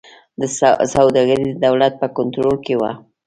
سوداګري د دولت په کنټرول کې وه.